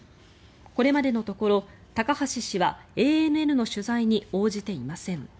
これまでのところ高橋氏はＡＮＮの取材に応じていません。